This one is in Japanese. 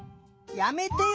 やめてよ！